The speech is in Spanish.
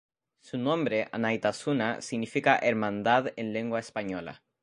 Su nombre, "Anaitasuna", significa "Hermandad" en lengua española.